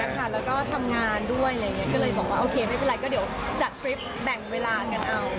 ก็เดี๋ยวจัดคลิปแบ่งเวลากันเอา